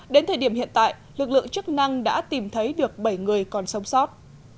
đến thời điểm hiện tại lực lượng chức năng đã tìm thấy được bảy người còn sống sót